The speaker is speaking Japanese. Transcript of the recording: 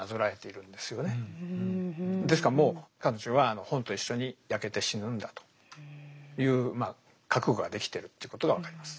ですからもう彼女は本と一緒に焼けて死ぬんだというまあ覚悟ができてるということが分かります。